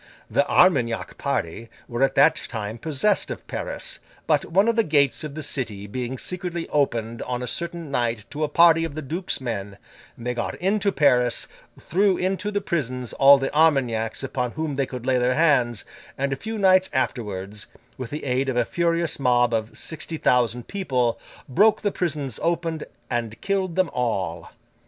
The Armagnac party were at that time possessed of Paris; but, one of the gates of the city being secretly opened on a certain night to a party of the duke's men, they got into Paris, threw into the prisons all the Armagnacs upon whom they could lay their hands, and, a few nights afterwards, with the aid of a furious mob of sixty thousand people, broke the prisons open, and killed them all.